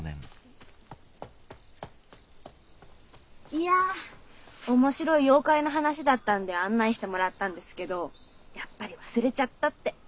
いやおもしろい妖怪の話だったんで案内してもらったんですけどやっぱり忘れちゃったって。